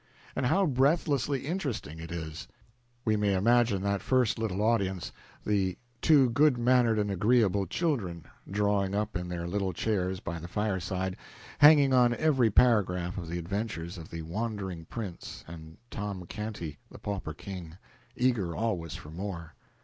And how breathlessly interesting it is! We may imagine that first little audience the "two good mannered and agreeable children," drawing up in their little chairs by the fireside, hanging on every paragraph of the adventures of the wandering prince and Tom Canty, the pauper king, eager always for more.